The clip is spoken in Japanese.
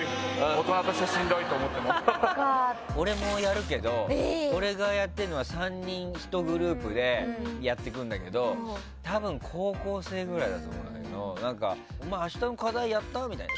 俺もやるけど俺がやっているのは３人１グループでやっていくんだけど多分、高校生ぐらいだと思うんだけどお前、明日の課題やった？みたいな。